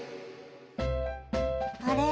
あれ？